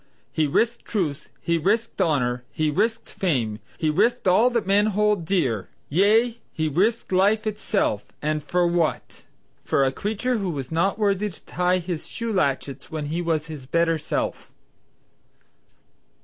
"He risked truth, he risked honor, he risked fame, he risked all that men hold dear, yea, he risked life itself, and for what? for a creature who was not worthy to tie his shoe latchets when he was his better self."